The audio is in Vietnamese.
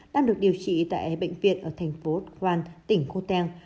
đang được điều trị tại bệnh viện ở thành phố guam tỉnh khu teng